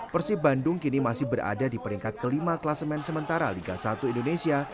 persib bandung kini masih berada di peringkat kelima kelasemen sementara liga satu indonesia